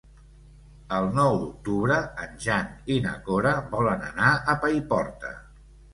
El nou d'octubre en Jan i na Cora volen anar a Paiporta.